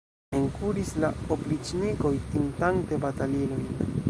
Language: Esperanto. Enkuris la opriĉnikoj, tintante batalilojn.